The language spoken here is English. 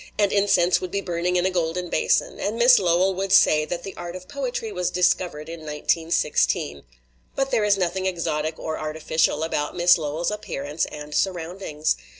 And incense would be burning in a golden basin. And Miss Lowell would say that the art of poetry was discovered in 1916. But there is nothing exotic or artificial about Miss Lowell's appearance and surroundings.